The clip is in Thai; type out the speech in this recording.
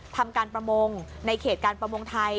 ทำการประมงในเขตการประมงไทย